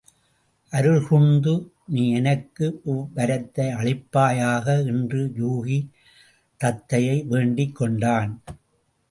அருள்கூர்ந்து நீ எனக்கு இவ் வரத்தை அளிப்பாயாக என்று யூகி தத்தையை வேண்டிக் கொண்டான்.